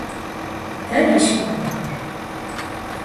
Дэнэ щыӀэ ахэр?